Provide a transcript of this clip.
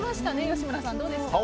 吉村さん、どうですか？